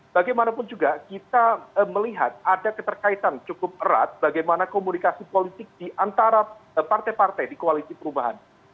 bagaimanapun juga kita melihat ada keterkaitan cukup erat bagaimana komunikasi politik diantara partai partai di koalisi perubahan